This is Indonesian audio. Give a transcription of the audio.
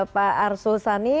pak arsul sangi